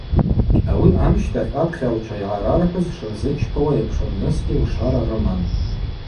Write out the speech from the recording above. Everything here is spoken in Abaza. Ауи амщтахь апхьагӏвчва йгӏарархӏвыз шырзычпауа йапшырнысгьи лшара рыман.